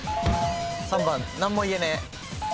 ３番何も言えねぇ。